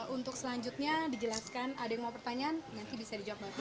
untuk selanjutnya dijelaskan ada yang mau pertanyaan nanti bisa dijawab mbak